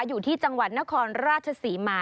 อยู่ที่จังหวัดนครราชศรีมา